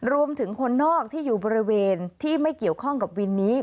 คนนอกที่อยู่บริเวณที่ไม่เกี่ยวข้องกับวินนี้